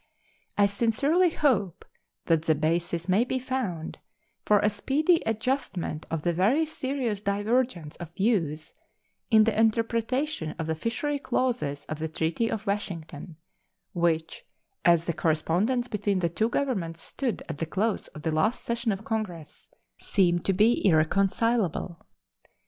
I sincerely hope that the basis may be found for a speedy adjustment of the very serious divergence of views in the interpretation of the fishery clauses of the treaty of Washington, which, as the correspondence between the two Governments stood at the close of the last session of Congress, seemed to be irreconcilable.